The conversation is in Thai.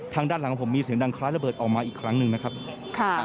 ทางด้านหลังของผมมีเสียงดังคล้ายระเบิดออกมาอีกครั้งหนึ่งนะครับค่ะ